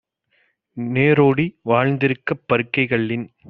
நேரோடி வாழ்ந்திருக்கப் பருக்கைக் கல்லின்